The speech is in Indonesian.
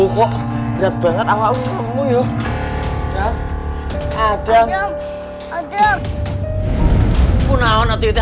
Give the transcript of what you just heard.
kok berat banget